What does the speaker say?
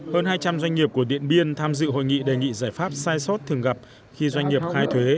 hơn hai trăm linh doanh nghiệp của điện biên tham dự hội nghị đề nghị giải pháp sai sót thường gặp khi doanh nghiệp khai thuế